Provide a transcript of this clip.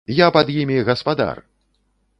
Я пад імі гаспадар!